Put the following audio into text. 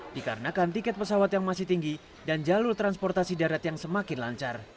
dikarenakan tiket pesawat yang masih tinggi dan jalur transportasi darat yang semakin lancar